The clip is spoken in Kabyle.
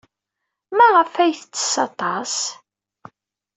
Maɣef ay tettess aṭas?